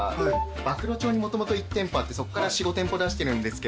馬喰町にもともと１店舗あってそこから４５店舗出してるんですけど。